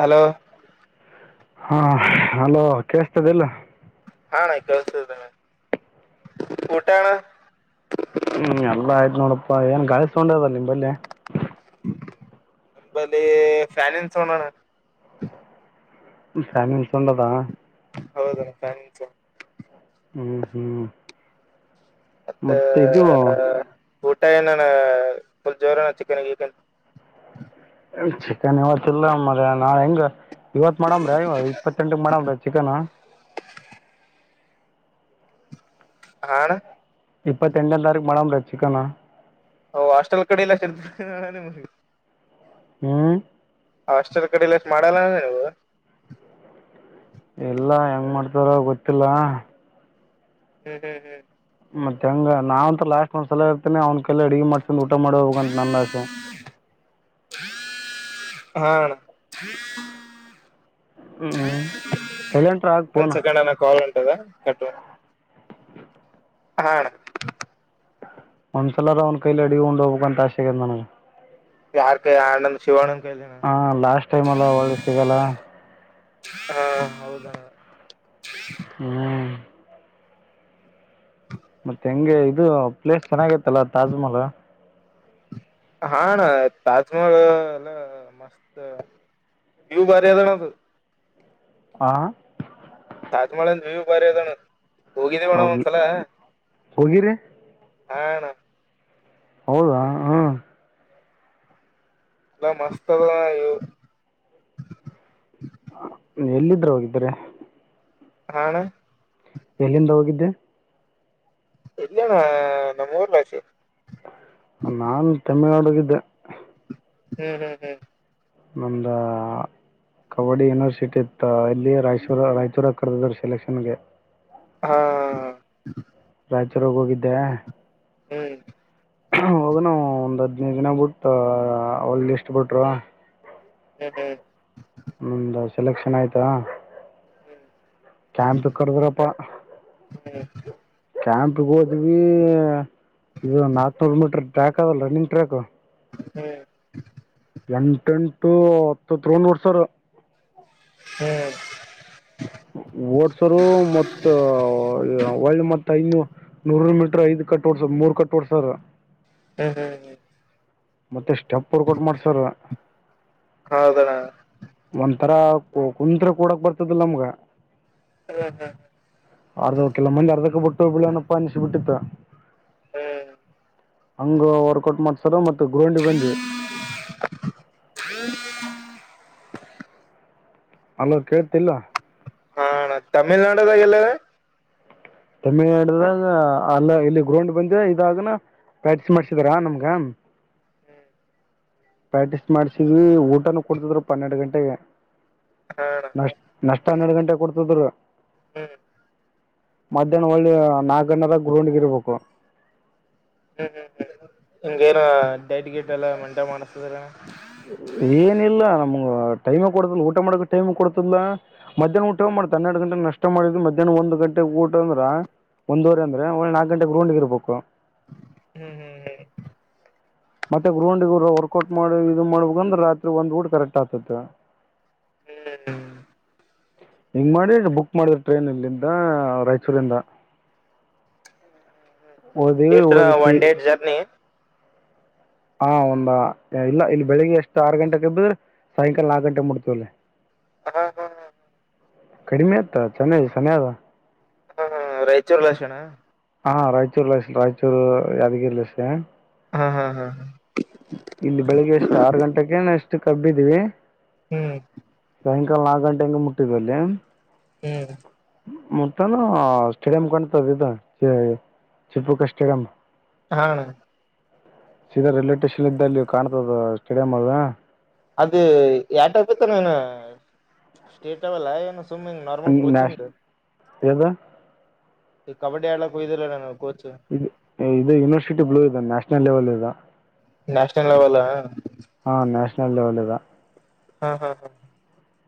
Hello ಹಾ hello ಕಸ್ತದೆಲ್ಲ ಅಣ್ಣ ಕೇಳುತ್ತದೆ ಅಣ್ಣ ಊಟ ಅಣ್ಣ ಹ್ಮ್ ಎಲ್ಲ ಆಯ್ತು ನೋಡಪ್ಪಾ ಏನ್ ಗಾಯಿಸ್ಕೊಂಡದಲ್ಲ ನಿಮ್ಮಲ್ಲಿ ನಂಬಲ್ಲಿ ಫ್ಯಾನೆನ್ಸ್ ಹೋಣೋಣ ಫ್ಯಾಮಿಲಿ ಕನ ಹೌದ ನ್ಸ ಹ್ಮ್ ಹ್ಮ್ ಮತ್ತೆ ಇದು ಊಟಏ ನಾನ ಫುಲ್ಲು ಜೋರ ಚಿಕನ್ ಚಿಕನ್ ಇವತ್ತಲ್ಲ ಮರೆ ನಾಳೆ ಹೆಂಗ ಇವತ್ತು ಮಾಡಮ್ಇವ ಇಪ್ಪತ್ತೆಂಟಿಗೆ ಮಾಡಮ್ರೀ ಚಿಕನ್ ಹಣ ಇಪ್ಪತ್ತೆಂಟನೇ ತ ಮೇಡಮ್ ಚಿಕನ ಹ ಹಾಸ್ಟೆಲ್ ಕಡೆ ಇಲ್ಲಷ್ಟ ಹ್ಮ್ ಹಾಸ್ಟೆಲ್ ಕಡೆಲ್ಲ ಎಷ್ಟ ಮಾಡಲ್ಲ ನೀವು ಎಲ್ಲ ಹೆಂಗ್ ಮಾಡ್ತಾರ ಗೊತ್ತಿಲ್ಲ ಹ್ಮ್ ಹ್ಮ್ ಹ್ಮ್ ಮತ್ತೆ ಹೆಂಗ ನಾವಂತ ಲಾಸ್ಟ್ ಒಂದ್ ಸಲ ಇರ್ತೇನೆ ಅವ್ನ ಕಲ್ಲ ಅಡುಗೆ ಮಾಡ್ಸ್ ಊಟ ಮಾಡೋ ಹೋಗ ಅಂತ ನನ್ನ ಆಸೆ ಹ ಅಣ್ಣ ಹ್ಮ್ ಸೈಲೆಂಟ್ರ ಹಾಕ್ ಒಂದು ಫೋನ್ ಸೆಕಂಡ್ ಅನ ಕಾಲ್ ಉಂಟದ ಅಣ್ಣಾ ಅಣ್ಣ ಒಂದ್ಸಲ ಅಲಂಕಯ ಅಡುಗೆ ಊಟ ಮಾಡಬೇಕು ಯಾರ ಕೈ ಆನಂದ ಶಿವಿವಣಂದ ಕೈಗೆ ನ ಹಾ ಲಾಸ್ಟ್ ಟೈಮ್ ಅಲ್ಲ ಒಳ್ಳೆ ಸಿಗಲ್ಲ ಹಾ ಹೌದೌ ಹ್ಮ್ ಮತ್ತೆ ಹೆಂಗೆ ಇದು ಪ್ಲೇಸ್ ಚೆನ್ನಾಗೈತ್ತಲ್ಲ ತಾಜ್ ಮಹಲು ಹಾಂ ಅಣ್ಣ ತಾಜ್ ಮಹಲು ಮಸ್ತ ವ್ಯೂ ಬಾರಿಲ್ಲಣ ಅದು ಅಂ [unintelligible] ವ್ಯೂ ಬಾರಿ ಅದಣ್ಣ ಹೋಗಿದೀವಣ್ಣ ಹೌದು ಒಂದ್ಸಲ ಹೋಗಿರಿ ಹಲೋ. ಹೌದಾ ಹ್ಮ್ ಇಲ್ಲ ಮಸ್ತ್ಗ [unintelligible] ಎಲ್ಲಿದ್ರೂ ಅವ್ರ್ ಇಬ್ರೇ [unintelligible] ಎಲ್ಲಿಂದ ಹೋಗಿದ್ದೆ ಇಲ್ಲಣ ನಮ್ಮ್ ಊರ್ ಲಾಚೆ ನಾನು ತಮಿಳ್ ನಾಡ್ ಹೋಗಿದ್ದೆ ಹ್ಮ್ ಹ್ಮ್ ಹ್ಮ್ ಒಂದಾ... ಕಬಡ್ಡಿ ಯೂನಿವರ್ಸಿಟಿ ಇತ್ತ ಇಲ್ಲಿ ರಾಯಚೂರ್ ರಾಯಚೂರ ಕರ್ದಾರೆ ಸೆಲೆಕ್ಷನ್ ಗೆ ಹಾಂ ರಾಯಚೂರಾಗ ಹೋಗಿದ್ದೆ ಹ್ಮ್ ಹೋಗ ನಾವು ಒಂದು ಹದಿನೈದು ದಿನ ಬಿಟ್ಟು ಅವಳ್ಳ ಇಷ್ಟು ಬಿಟ್ರು ಹ್ಮ ಹ್ಮ ನಮ್ದ ಸೆಲೆಕ್ಷನ್ ಆಯ್ತಾ ಕ್ಯಾಂಪಗ್ ಕರ್ದ್ರೆಪ್ಪ ಹ್ಮ್ ಹ್ಮ್ ಟ್ಯಾಂಪಿಗೆ ಹೋದ್ವಿ ಇದು ನಾಲ್ಕನೂರು ಮೀಟ್ರ ಟ್ರ್ಯಾಕ್ ಅದಲ್ಲ ರನ್ನಿಂಗ್ ಟ್ರ್ಯಾಕು ಹ್ಮ್ ಎಂಟೆಂಟು ಹತ್ತುತ್ತು ತ್ರೋನ ಸರ್ ಹ್ಮ್ ಓಡ್ಸರು ಮತ್ತ ಒಳ್ಳೆ ಮತ್ತ ಆಗಿಯೂ ನೂರ ಮೀಟ್ರ ಐದ್ ಕಟ್ಟೋಡ್ಸರ್ ಮೂರ್ ಕಟ್ಟೋಡ್ಸರ್ ಹ್ಮ್ ಹ್ಮ್ ಹ್ಮ್ ಮತ್ತೆ ಸ್ಟೆಪ್ ವರ್ಕೌಟ್ ಮಾಡಸರ ಹೌದಣ್ಣ ಒಂಥರ ಕುಂತ್ರೆ ಕೊಡಕ್ ಬರ್ತದಿಲ್ಲ ನಮ್ಗ [unintelligible] [unintelligible] [unintelligible] ಹಂಗ ವರ್ಕೌಟ್ ಮಾಡ್ಸಾರ ಮತ್ತ ಗ್ರೋಂಡಿ ಬಂದಿ [inaudible] ಹಲೋ ಕೇಳ್ತಿಲ್ಲ ಹಾ ತಮಿಳ್ನಾಡದಾಗ ಎಲ್ಲ ತಮಿಳ್ನಾಡದಾಗ ಅಲ್ಲ ಇಲ್ಲಿ ಗ್ರೌಂಡ್ ಬಂದೆ ಇದಾಗನ ಪ್ರ್ಯಾಕ್ಟಿಸ್ ಮಾಡ್ಸಿದಾರಾ ನಮ್ಗ ಹ್ಮ್ ಪ್ರಾಕ್ಟೀಸ್ ಮಾಡ್ಸಿದ್ವಿ ಊಟನೂ ಕೊಡ್ತಿದ್ರು ಪ ಹನ್ನೆರಡು ಗಂಟೆಗೆ ಹಾ ನಷ್ಟ್ ನಷ್ಟ ಹನ್ನೆರಡು ಗಂಟೆಗೆ ಕೊಡುತಿದ್ರು ಹ್ಮ್ ಮಧ್ಯಾಹ್ನ ಒಂದು ನಾಲ್ಕು ಗಂಟೆದಾಗ ಗ್ರೌಂಡ್ಗ ಇರ್ಬೇಕು ಹ್ಮ್ ಹ್ಮ್ ಹ್ಮ್ ಹಿಂಗೇ ಡೈಟ್ ಗಿಟ್ ಎಲ್ಲ ಮಂಟೈ ಮಾಡಸ್ತದರ ಏನಿಲ್ಲ ನಮ್ಗ ಟೈಮ್ ಕೊಡತಲ್ ಊಟ ಮಾಡಕ ಟೈಮ್ ಕೊಡ್ತಿಲ್ಲ ಮಧ್ಯಾಹ್ನ ಊಟ ಮಾಡಿದು ಹನ್ನೆರಡು ಗಂಟೆಗೆ ನಷ್ಟ ಮಾಡಿದ ಮಧ್ಯಾಹ್ ಒಂದು ಗಂಟೆಗೆ ಊಟ ಅಂದ್ರ ಒಂದುವರೆ ಅಂದ್ರೆ ನಾಲ್ಕು ಗಂಟೆಗೆ ಗ್ರೌಂಡ್ ಇರಬೇಕು ಹ್ಮ್ ಹ್ಮ್ ಹ್ಮ್ ಮತ್ತೆ ಗ್ರೌಂಡ ವರ್ಕೌಟ್ ಮಾಡಿ ಇದು ಮಾಡಬೇಕ ಅಂದ್ರ ರಾತ್ರಿ ಒಂದ್ ಊಟ್ ಕರೆಕ್ಟ್ ಆತತೆ ಹ್ಮ್ ಹಿಂಗ್ ಮಾಡಿ ಬುಕ್ ಮಾಡಿದ್ರ ಟ್ರೈನ್ ಇಲ್ಲಿಂದ ರಾಯಚೂರಿಂದ ಓದಿ ಎಷ್ಟ ದಿನ ಓದಿಸಿ ಒನ್ ಡೇ ಜರ್ನಿ ಹಾ ಒಂದ ಇಲ್ಲ ಇಲ್ಲಿ ಬೆಳಿಗ್ಗೆ ಎಷ್ಟು ಆರು ಗಂಟೆಗೆ ಎಬ್ಬೆ ಸಾಯಕಾಲ ನಾಲ್ಕು ಗಂಟೆ ಮುಟ್ಟುತ್ತೆಅಲ್ಲಿ ಹಾ ಹಾ ಹಾ ಕಡಿಮೆ ಆತ್ತ ಚೆನ್ನಗಿ ಸಮಯ ಆದ ಹಾ ಹಾ ರಾಯಚೂರ್ ಲಕ್ಷಣ ಹಾ ರಾಯಚೂರ್ ರಾಯಚೂರು ಯಾದಗಿರಿ ಲಕ್ಷಣ ಹಾ ಹಾ ಹಾ ಹಾ ಇಲ್ಲಿ ಬೆಳಿಗ್ಗೆ ಎಷ್ಟು ಆರು ಗಂಟೆಕೆನೋ ಎಷ್ಟು ಆಬ್ಬಿದೀವಿ ಹ್ಮ್ ಸಾಯಂಕಾಲ ನಾಲ್ಕು ಗಂಟೆಗೆ ಮುಟ್ಟಿದವಲ್ಲಿ ಹ್ಮ್ ಮತ್ತಾನ ಸ್ಟೇಡಿಯಂ ಕಾಣ್ತದ ಇದು ಟಿಪ್ಪುಕ್ಕ ಸ್ಟೇಡಿಯಂ ಹಾ ಅಣ್ಣ ಸೀದಾ ರೈಲ್ವೆ ಸ್ಟೇಷನ್ ಇದಲ್ಲಿ ಕಾಣ್ತದ ಸ್ಟೇಡಿಯಂ ಅದ ಅದು [unintelligible] ಏನು ಸ್ಟೇಟ್ ಲೇವಲ ಏನು ಸುಮ್ನೆ ಹಿಂಗ್ ನಾರ್ಮಲ್ ಕೋಚಿಂಗ್ ನ್ಯಾಷನಲ್ ಯಾದ ಈ ಕಬಡ್ಡಿ ಆಡಕೆ ಹೋಗಿದ್ದರೇನು ಕೋಚ್ ಇ ಇದು ಯೂನಿವರ್ಸಿಟಿ ಬ್ಲೂ ಇದೆ ನ್ಯಾಷನಲ್ ಲೆವೆಲ್ ಇದು ನ್ಯಷಿನಲ್ ಲೆವೆಲ ನ್ಯಾಷನಲ್ ಲೆವೆಲ್ ಇದು ಹಾ ಹಾ ಹಾ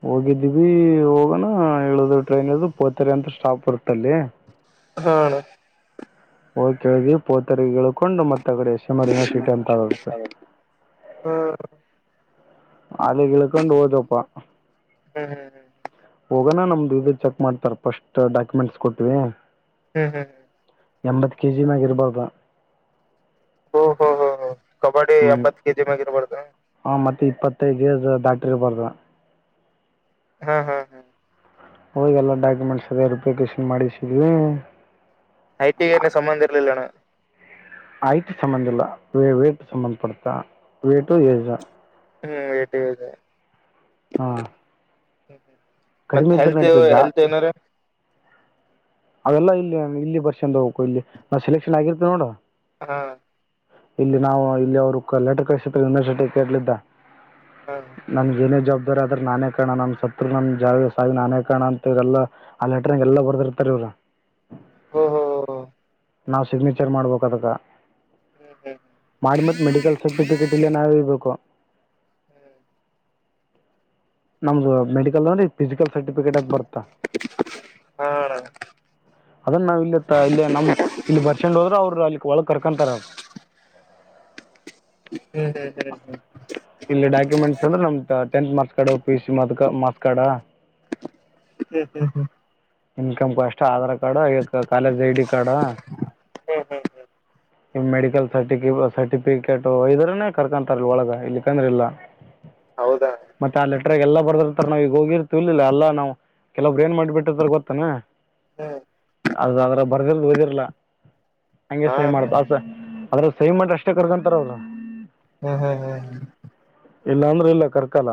ಹೋಗಿದ್ದೀವಿ ಹೋಗೋಣ ಇಳಿದು ಟ್ರೈನ್ ಇಳಿದು ಪೋತಾರೆ ಅಂತ ಸ್ಟಾಪ್ ಬರುತೆ ಅಲ್ಲಿ ಹಾ ಅಣ್ಣ ಪೋತರೆಯಾಗ್ ಇಳ್ಕೊಂಡು ಮತ್ತ ಆಕಡೆ ಎಸ್ ಎಂ ಆರ್ ಯೂನಿವರ್ಸಿಟಿ ಅಂತ ಬರುತ್ತೆ ಹ್ಮ ಅಲ್ಲಿ ಇಳಿಕೊಂಡು ಹೋದ್ವೇಪ್ಪ ಹ್ಮ ಹ್ ಹೋಗೋಣ ನಮ್ದು ಇದು ಚೆಕ್ ಮಾಡ್ತಾರ ಫಸ್ಟ್ ಡಾಕ್ಯುಮೆಂಟ್ಸ್ ಕೊಟ್ವಿ ಹ್ಮ್ ಹ್ಮ ಎಂಬತ್ತು ಕೆ ಜಿನಾಗ ಇರಬರ್ದು ಓ ಓ ಕಬ್ಬಡಿ ಎಂಬತ್ತು ಕೆಜಿ ಮೇಲೆ ಇರಬಾರ್ದು ಹಾ ಮತ್ ಇಪ್ಪತ್ತೈದು ಏಜ್ ದಟ್ಟಿರಬಾರದು ಹಾ ಹಾ ಹಾ ಹೋಗ ಎಲ್ಲ ಡಾಕ್ಯುಮೆಂಟ್ಸ್ ವೆರಿಫಿಕೇಶನ್ ಮಾಡಿಗೇಸಿದ್ವಿ. ಐ ಟೀಮ್ ಏನ್ ಸಂಬಂಧ ಇರಲಿಲ್ಲ ಏನು. ಹೈಟ್ ಸಂಬಂಧಿಯಲ್ಲ ವೇಟ್ ಸಂಬಂಧಪಟ್ಟ ವೆಟ್ ಮತ್ತೆ ಏಜ್. ಹ್ಮ್ ಅದೇ ಅದೇ. ಹಾಂ ಹ್ಮ್ ಮತ್ತ ಕಡಿಮೆ ಇದ್ರೆ ಹೆಲ್ತ್ ನಡೀತದೆ ಜಾ ಹೆಲ್ತ್ ಏನಾರ. ಅವೆಲ್ಲ ಇಲ್ಲಿ ಇಲ್ಲಿ ಬರ್ಶ್ರೀಂದು ಹೋಗ್ಬೇಕು ಇಲ್ಲಿ ನಾವು ಸೆಲೆಕ್ಷನ್ ಆಗಿರ್ತ ನೋಡ. ಹ್ಹಾ. ಇಲ್ಲಿ ನಾವು ಇಲ್ಲಿ ಅವರು ಲೆಟರ್ ಕಳಿಸಿದ್ದರೂ ಯೂನಿವರ್ಸಿಟಿ ಕಡೆಯಿಂದ. ಹಾ ನಮಗ ಏನೇ ಜವಾಬ್ದಾರಿ ಆದ್ರೆ ನಾನೇ ಕಾರಣ ನಮ್ಮ ಸತ್ರು ನಮ್ಮ ಜೀವಿಯ ಸಾವಿಗೆ ನಾನೇ ಕಾರಣ ಅಂತ ಇದೆಲ್ಲ. ಅ ಲೆಟರ್ಗಾ ಎಲ್ಲ ಬರ್ದಿರ್ತಾರೆ ಇವ್ರು. ಹ ಹ ನಾವ್ ಸಿಗ್ನೇಚರ್ ಮಾಡ್ಬೇಕು ಅದಕ್ಕ. ಹ್ಮ್ ಹ್ಮ್ ಮಾಡಿ ಮತ್ತೆ ಮೆಡಿಕಲ್ ಸರ್ಟಿಫಿಕೇಟ್ ಇಲ್ಲ ನಾವೇ ಹೋಯ್ಬೇಕು. ಹ್ಮ್ ಹೌದು ಮೆಡಿಕಲ್ ಅಂದ್ರೆ ಫಿಸಿಕಲ್ ಸರ್ಟಿಫಿಕೇಟ್ ಬರುತ್ತಾ. ಹ್ಹಾ. ಅದನ್ನ ನಾ ಇಲ್ಲಿ ಇಲ್ಲೇ ನಮ್ ಇಲ್ಲಿ ಬರ್ಸಿಕೊಂಡು ಹೋದ್ರೆ ಅವ್ರರು ಅಲ್ಲಿ ಒಳಗ್ ಕರ್ಕೊಂತಾರ. ಹ್ಮ್ ಹ್ಮ್ ಹ್ಮ. ಇಲ್ಲಿ ಡಾಕ್ಯುಮೆಂಟ್ಸ್ ಅಂದ್ರೆ ನಮ್ದ tenth marks card P U C marks marks card. [unintelligible] ಹ್ಮ್ ಹ್ಮ್ ಹ್ಮ್ ಇನ್ಕಮ್ ಕಷ್ಟ Aadhaar card college I D card. ಹ್ಮ್ ಹ್ಮ್ ಮೆಡಿಕಲ್ ಸರ್ಟಿಫ ಸರ್ಟಿಫಿಕೇಟು ಹೊಯ್ದರೇನೆ. ಕರ್ಕೊಂತಾರ ಒಳಗ ಇಲ್ಲಕಂದ್ರ ಇಲ್ಲ. ಹೌದಾ ಮತ್ತೆ ಆ ಲೆಟರ್ಗ ಎಲ್ಲ ಬರೆದಿರುತ್ತಾರೆ ನಾವು ಈಗ ಹೋಗಿರ್ತಿವಿ ಇಲ್ಲ ಎಲ್ಲ ನಾವು. ಕೆಲವೊಬ್ರು ಏನ್ ಮಾಡ್ಬಟ್ಟಿರ್ತಾರ ಗೊತ್ತಾನ. ಹ್ಮ್ ಅದು ಅದ್ರಗ ಬರ್ದಿದ್ದು ಓದಿರ್ಲ ಅಂಗೆ ಹಾ ಸೈನ್ ಮಾಡ್ತ ಹ್ಮ್ ಆಸ ಅದು. ಸೈನ್ ಮಾಡಿದಾರೆ ಅಷ್ಟೇ ಕರ್ಕಂತಾರೆ ಅವರು. ಹ್ಮ್ ಹ್ಮ್ ಹ್ಮ್ ಹ್ಮ್ ಇಲ್ಲ ಅಂದ್ರೆ ಇಲ್ಲ ಕರ್ಕಲ್ಲ.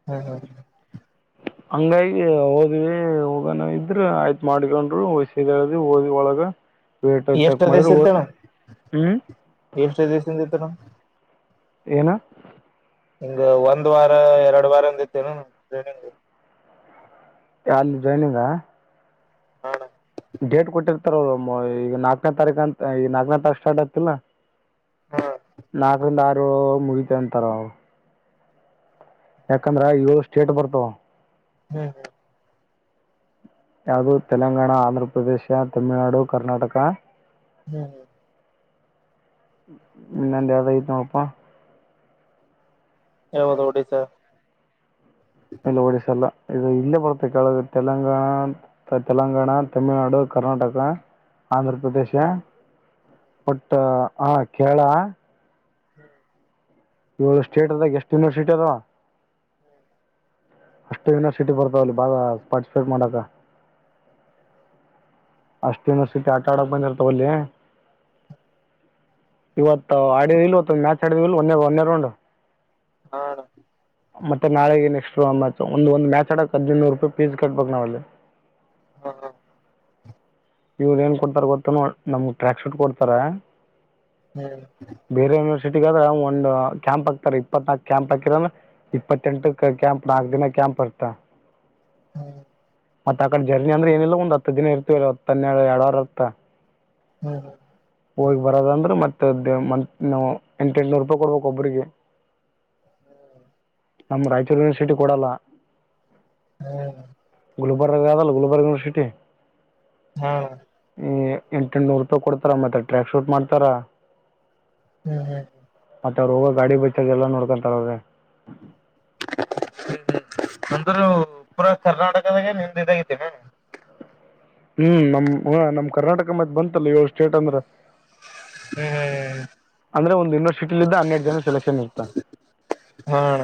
[unintelligible] [unintelligible] ಹಂಗಾಗಿ ಹೋದ್ವಿ ಹೋಗನ ಇದ್ರ ಆಯ್ತ್ ಮಾಡ್ಕೊಂಡರು ವಾಸಿಗೇರು. ಓದಿವಿ ಒಳಗೆ ವೇಟ್ ಅದು ಎಷ್ಟ ಚೆಕ್ ದಿವಸ ಮಾಡಿದ್ರು ಹೊದ ಇತ್ತಣ ಹ್ಮ. [unintelligible] ಏನು ಹಿಂಗ ಒಂದ್ ವಾರ ಎರಡ್ ವಾರ ಅಂದಿದೆನ ಟ್ರೇನಿಂಗ್ ಯಾವ್ದು ಟ್ರೈನಿಂಗ್. ಹ್ಹಾ ಡೇಟ್ ಕೊಟ್ಟಿರ್ತಾರ ಅವ್ರು ಈಗ ನಾಕನೇ ತಾರೀಕು ಅಂತ ಈ ನಾಲ್ಕನೇ ತಾರೀಕು ಸ್ಟಾರ್ಟ ಆಗ್ತಿಲ್ಲ. ಹಾ ನಾಕು [unintelligible] ಮುಗಿತ ಅಂತಾರ ಯಾಕಂದ್ರ ಇವು ಸ್ಟೇಟ್ ಬರ್ತಾವ. ಹ್ಮ್ ಯಾವುದು ತೆಲಂಗಾಣ ಆಂಧ್ರ ಪ್ರದೇಶ ತಮಿಳನಾಡು ಕರ್ನಾಟಕ ಹ್ಮ ಹ ಇನ್ನೊಂದ ಯಾವ್ದ್ ಐತ ನೋಡಪಾ ಯಾವುದ ಹೊಡಿ ಸ ಇಲ್ಲ ಒಡಿಸಲ್ಲ ಇದು ಇಲ್ಲೇ ಬರ್ತ್ತೆ ಕೆಳಗ ತೆಲಂಗಾಣ ತೆಲಂಗಾಣ ತಮಿಳುನಾಡು ಕರ್ನಾಟಕ ಆಂಧ್ರ ಪ್ರದೇಶ ಬಟ್ ಹ ಕೇರಳ ಹ್ಮ್ ಇವ ಸ್ಟೇಟ್ ಅದ ಎಷ್ಟ ಯೂನಿವರ್ಸಿಟಿ ಅದವಾ ಅಷ್ಟು ಯೂನಿವರ್ಸಿಟಿ ಬರ್ತಾವಲ್ಲಿ ಬಾಳ ಪಾರ್ಟಿಸಿಪೇಟ್ ಮಾಡಾಕ ಅಷ್ಟ ಯೂನಿವರ್ಸಿಟಿ ಆಟ ಆಡಕ್ ಬಂದಿಲ ತಗೋ ಲೇ ಇವತ್ತು ಆಡಿದ ಇಲ್ವ ಮ್ಯಾಚ್ ಆಡಿದ್ ಇಲ್ ಒನೆ ಒಂದನೇ ರೌಂಡ್ ಹಾ ಅಣ್ಣ ಮತ್ತೆ ನಾಳೆಗೆ ನೆಕ್ಸ್ಟ್ ಒಂದ ಒಂದು ಮ್ಯಾಚ್ ಅಡಕ್ ಹದಿನೈದ ನೂರು ರೂಪಾಯಿ ಪೀಸ್ ಕಟ್ಬೇಕ ನಾವ ಅಲ್ಲಿ. ಹಾ ಹ ಇವ್ರು ಏನ್ ಕೊಡ್ತಾರ ಗೊತ್ತನ್ ನಮ್ಗ್ ಟ್ರ್ಯಾಕ್ ಶೂಟ್ ಕೊಡ್ತಾರ ಹ್ಮ್ ಬೇರೆ ಯೂನಿವರ್ಸಿಟಿಗ ಆದ್ರೆ ಒಂದ್ ಕ್ಯಾಂಪ್ ಹಾಕ್ತಾರೆ ಇಪ್ಪತ್ನಾಕ್ ಕ್ಯಾಂಪ್ ಹಕಿರ್ರೆ ಅಂದ್ರ ಇಪ್ಪತ್ತೆಂಟ ಕ ಕ್ಯಾಂಪ್ ನಾಕ್ ದಿನ ಕ್ಯಾಂಪ್ ಇರ್ತಾ ಹ್ಮ ಮತ್ತ ಆ ಕಡೆ ಜರ್ನಿ ಅಂದ್ರ ಏನಿಲ್ಲ ಒಂದು ಹತ್ತು ದಿನ ಇರ್ತವ ಇ ಹತ್ತ ಹನ್ನೆಡ್ ಎರಡವಾರ ಇರತ್ತ. ಹ್ಮ ಹೋಗಿ ಬರದ ಅಂದ್ರೆ ಮತ್ತೆ ಮ ಎಂಟು ಎಂಟನೂರು ರೂಪಾಯಿ ಕೊಡ್ಬೇಕ ಒಬ್ರಿಗೆ [inaudible] ನಮ್ ರಾಯಚೂರು ಯೂನಿವರ್ಸಟಿ ಕೊಡಲ್ಲ. ಹ್ಮ್ ಗುಲ್ಬರ್ಗ ಅದಲ್ಲ ಗುಲ್ಬರ್ಗ್ ಯೂನಿವರ್ಸಿಟಿ ಹಾ ಈ ಎಂಟು ಎಂಟನೂರು ರೂಪಾಯಿ ಕೊಡ್ತಾರ ಮತ್ತೆ ಟ್ರ್ಯಾಕ್ ಶೂಟ್ ಮಾಡ್ತಾರ ಹ್ಮ ಹ್ಮ ಮತ್ತೆ ರೋಗ ಗಾಡಿ ಬಚ್ಚಾರ ಎಲ್ಲ ನೋಡಕೊಂತಾರ್ ಅವರು ಹ್ಮ ಹ್ಮ್ ಅಂದ್ರೂ ಪೂರಾ ಕರ್ನಾಟಕದಾಗೆ ನಿಮ್ದ ಇದಾಗತೇನ ಹ್ಮ್ ನಮ್ ಹ ನಮ್ ಕರ್ನಾಟಕ ಮತ್ ಬಂತಲ್ಲ ಏಳ್ ಸ್ಟೇಟ್ ಅಂದ್ರ ಹ್ಮ್ ಹ್ಮ್್ಮ್ ಅಂದ್ರೆ ಒಂದು ಯೂನಿವರ್ಸಿಟಿ ಲಿಂದ್ ಹನ್ನೆರ ಜನ ಸಲೆಕ್ಷನ್ ಇರ್ತ ಹಾ ಅಣ್ಣ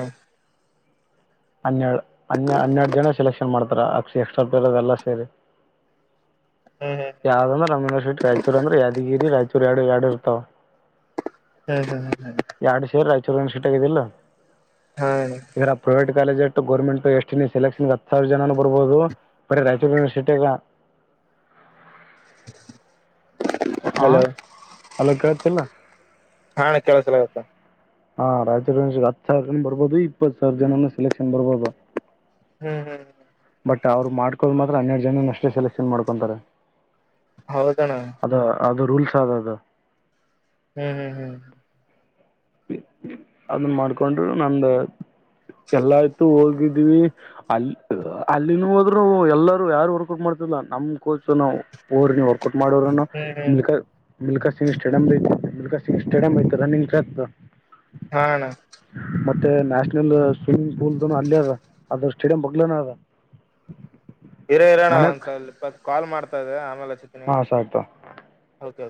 ಹನ್ನೆರಡು ಹ ಹನ್ನೆರಡು ಜನ ಸೆಲೆಕ್ಷನ್ ಮಾಡ್ತಾರೆ ಅಕ್ಷಿ ಎಕ್ಸ್ಟ್ರಾ ಪ್ಲೇಯರ್ ಅದೆ ಎಲ್ಲ ಸೇರಿ [inaudible] ಹ್ಮ ಹ್ಮ ಯಾವ್ದ ಅಂದ್ರ ರಮೀಂದ್ರೀ ರಾಯಚೂರ್ಂದ್ರ ಯಾದಗಿರಿ ರಾಯಚೂರ ಎರಡು ಎರಡು ಇರ್ತಾವ ಹ್ಮ ಹ್ಮ ಹ್ಮ ಹ್ಮ ಎರಡ್ ಸೇರಿ ರಾಯಚೂರಿ ಸಿಟಿಗ ಇದಿ ಇಲ್ಲೋ ಹಾ ಇರ ಪ್ರೈವೇಟ್ ಕಾಲೇಜ್ ಷ್ಟು ಗೋರ್ಮೆಂಟ್ ಎಷ್ಟು ಸೆಲೆಕ್ಷನ್ಗೆ ಹತ್ತು ಸಾವಿರ ಜನ ಬರ್ಬಹುದು ಬರೆ ರಾಯಚೂರು ಯನಿವರ್ಸಿಟಿಗಲಾ [inaudible] ಆ ಹಲೋ ಅಲ್ಲ ಕಳ್ತಿಲ್ಲ ಹಾ ಕೆಲಸಲಾಕಗತ್ತದ ಹಾ ರೈಚೂರ್ ಹತ್ ಸಾವಿರ ಜನ ಬರ್ಬೋದು ಇಪ್ಪತ್ ಸಾವಿರ ಜನ ಸೆಲೆಕ್ಷನ್ ಬರ್ಬೋದು ಹ್ಮ್ ಹ್ಮ್ ಬಟ್ ಅವ್ರು ಮಾಡ್ಕೋ ಮಾತ್ರ ಹನ್ನೆರಡು ಜನ ಅಷ್ಟೇ ಸೆಲೆಕ್ಷನ್ ಮಾಡ್ಕೊಂತಾರೆ ಹೌದಣ ಅದು ಅದು ರೂಲ್ಸ್ ಅದ ಅದು ಹ್ಮ್ ಹ್ಮ್ ಹ್ಮ್ ಅದನ್ ಮಾಡ್ಕೊಂಡರು ನಮ್ದ ಎಲ್ಲಾ ಆಯ್ತು ಹೋಗಿದ್ದೀವಿ ಅಲ್ಲಿ ಅಲ್ಲಿನೂ ಹೋದ್ರು ಎಲ್ಲರೂ ಯಾರು ವರ್ಕೌಟ್ ಮಾಡ್ತಿಲ್ಲ ನಮ್ ಕೋಚ್ ನಾವು [unintelligible] ನೀ ವರ್ಕೌಟ್ ಮಾಡೋರನು ಹ್ಮ್ ಹ್ಮ್ ಇಲೀಕ ಬಿಲ್ಕಾ Singh stadium [unintelligible] I bill Singh stadium ಹಾ ಅಣ್ಣಾ ಮತ್ತೆ ನ್ಯಾಷನಲ್ ಸ್ವಿಮ್ಮಿಂಗ್ ಪೂಲ್ನು ಅಲ್ಲೇ ಅದ ಅದ ಸ್ಟೇಡಿಯಂ ಮಗ್ಲನ ಅದ ಇರೋ ಇರೋಣ ಮನೆಗೆ ಒಂದ್ಸಲ್ ಹೋತ್ತು ಕಾಲ್ ಮಾಡ್ತಾ ಇದೆ ಆಮೇಲೆ ಹಚಿ ಹಾ ಸ [unintelligible] ಓಕೆ ಓಕೆ